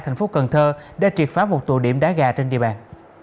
thành phố cần thơ đã triệt phá một tụ điểm đá gà trên địa bàn